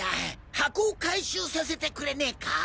箱を回収させてくれねぇか？